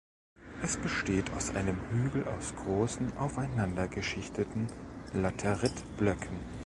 Es besteht aus einem Hügel aus großen, aufeinander geschichteten Laterit-Blöcken.